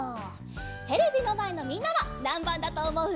テレビのまえのみんなはなんばんだとおもう？